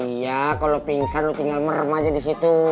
iya kalau pingsan lo tinggal merem aja disitu